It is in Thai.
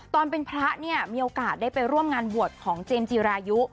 ตอนเป็นพระเนี่ยมีโอกาสได้ไปร่วมงานบวชของเจมส์จีรายุ